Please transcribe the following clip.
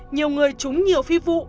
nhiều người trúng nhiều phi vụ